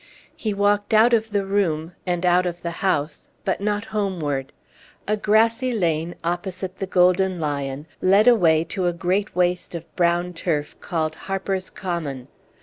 He walked out of the room, and out of the house, but not homeward. A grassy lane opposite the Golden Lion led away to a great waste of brown turf called Harper's Common.